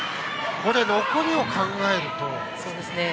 残りを考えると。